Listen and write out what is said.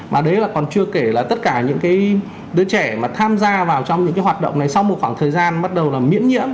mà đấy là còn chưa kể là tất cả những cái đứa trẻ mà tham gia vào trong những cái hoạt động này sau một khoảng thời gian bắt đầu là miễn nhiễm